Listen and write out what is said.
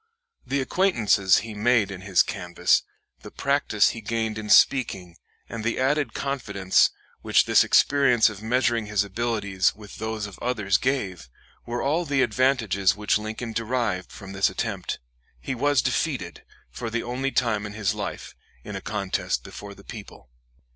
The acquaintances he made in his canvass, the practice he gained in speaking, and the added confidence which this experience of measuring his abilities with those of others gave, were all the advantages which Lincoln derived from this attempt. He was defeated, for the only time in his life, in a contest before the people.